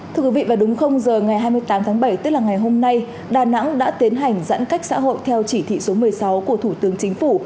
thưa quý vị vào đúng giờ ngày hai mươi tám tháng bảy tức là ngày hôm nay đà nẵng đã tiến hành giãn cách xã hội theo chỉ thị số một mươi sáu của thủ tướng chính phủ